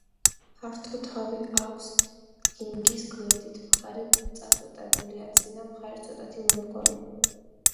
ფართო თავი აქვს, დინგის გვერდითი მხარე წაწვეტებულია, წინა მხარე ცოტათი მომრგვალო.